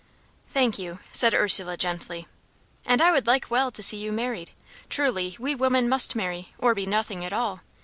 "Thank you," said Ursula, gently. "And I would like well to see you married. Truly we women must marry, or be nothing at all.